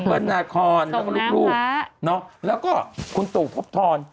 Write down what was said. เอ่ยส่งน้ำละแล้วก็ลูกแล้วก็คุณตู่ภพธร